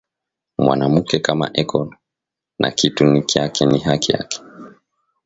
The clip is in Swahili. Mwanamuke kama eko nakitu nikyake ni haki yake